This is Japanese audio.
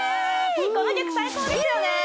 この曲最高ですよね